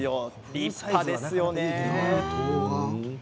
立派ですよね。